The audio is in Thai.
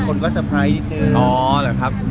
คนน่าจะสเตอร์ไพรส์อีกนึง